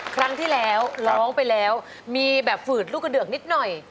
ครั้งที่แล้วร้องไปแล้วมีแบบฝืดลูกกระเดือกนิดหน่อย